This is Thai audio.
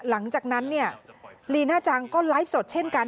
หลังจากนั้นเนี่ยลีน่าจังก็ไลฟ์สดเช่นกัน